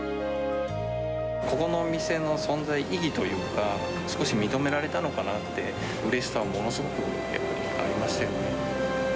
ここのお店の存在意義というのが、少し認められたのかなって、うれしさはものすごくありましたよね。